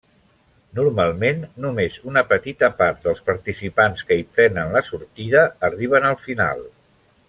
Normalment només una petita part dels participants que hi prenen la sortida arriben al final.